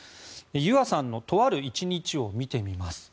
ゆあさんのとある１日を見てみます。